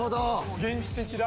原始的だ。